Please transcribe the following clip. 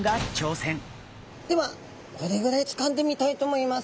ではこれぐらいつかんでみたいと思います。